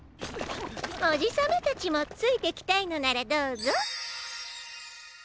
おじさまたちもついてきたいのならどうぞ。